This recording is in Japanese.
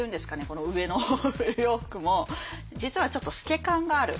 この上のお洋服も実はちょっと透け感がある。